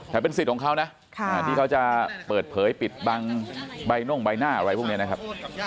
แต่เป็นสิทธิ์ของเขานะที่เขาจะเปิดเผยปิดบังใบน่งใบหน้าอะไรพวกนี้นะครับ